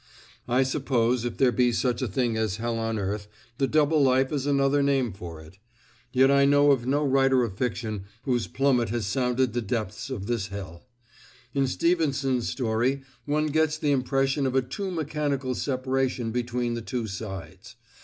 I suppose if there be such a thing as hell on earth, the double life is another name for it. Yet I know of no writer of fiction whose plummet has sounded the depths of this hell. In Stevenson's story one gets the impression of a too mechanical separation between the two sides.